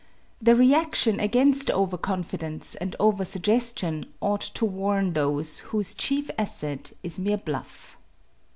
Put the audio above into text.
The reaction against over confidence and over suggestion ought to warn those whose chief asset is mere bluff.